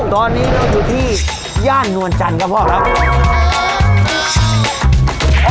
ตอนนี้ก็อยู่ที่ย่านนวลจันทร์ครับพ่อครับ